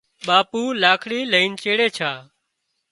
ٻاپو لاڪڙي لئينش چيڙي ڇا